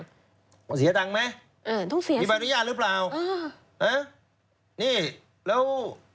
ต้องเสียดังไหมมีบริญญาณหรือเปล่านี่แล้ว